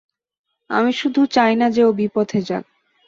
আমি শুধু চাই না যে ও বিপথে যাক।